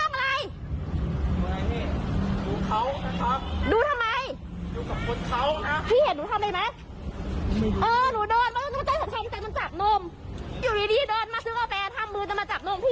มันจับนมอยู่ดีดีเดินมาซื้อข้าวแฟนถ้ามือจะมาจับนมพี่